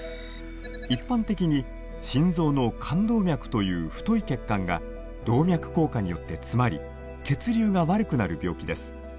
一般的に心臓の冠動脈という太い血管が動脈硬化によって詰まり血流が悪くなる病気です。